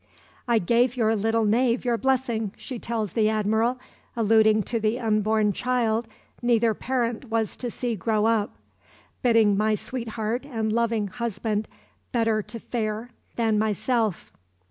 "I gave your little knave your blessing," she tells the Admiral, alluding to the unborn child neither parent was to see grow up, "... bidding my sweetheart and loving husband better to fare than myself."